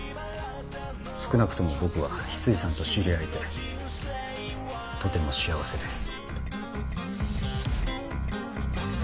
少なくとも僕は翡翠さんと知り合えてとても幸せです。